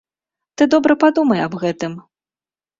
Ты добра падумай аб гэтым.